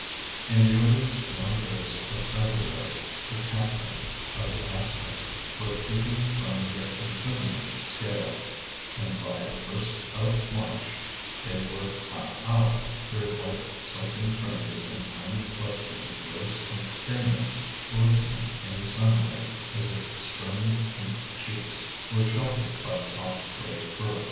In the earliest warm days of February the catkins of the aspens were peeping from their imprisoning scales, and by the first of March they were half out, their white silken fringes and tiny clusters of rose pink stamens glistening in the sunlight as if spring's pink cheeks were sheltered by soft, gray fur.